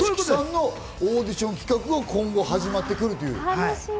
ＹＯＳＨＩＫＩさんのオーディション企画が今後、始まってくるという。